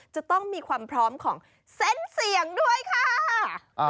จะต้องมีความพร้อมของเส้นเสียงด้วยค่ะ